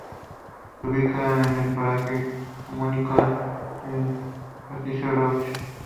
Se ubica en el paraje homónimo, en el Partido de Rauch.